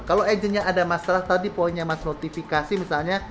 kalau agentnya ada masalah tadi poinnya mas notifikasi misalnya